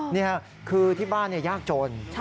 นี่ค่ะคือที่บ้านยากจน